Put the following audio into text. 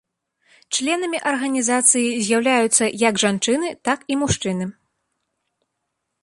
Членамі арганізацыі з'яўляюцца як жанчыны, так і мужчыны.